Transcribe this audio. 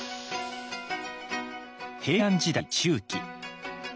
平安時代中期。